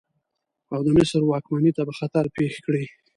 او د مصر واکمنۍ ته به خطر پېښ کړي.